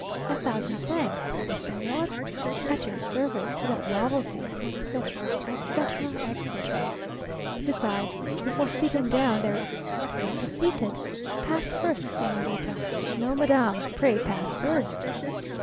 "A thousand thanks, and the Señor?" "At your service, without novelty," etc., etc., etc. Besides, before sitting down, there is, "Pray be seated." "Pass first, Señorita." "No, madam, pray pass first."